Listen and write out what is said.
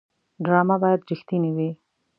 ډرامه باید رښتینې وي